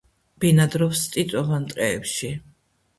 ბინადრობს წიწვოვან ტყეებში.